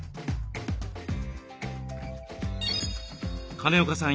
金岡さん